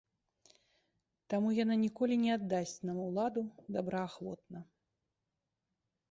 Таму яна ніколі не аддасць нам уладу добраахвотна.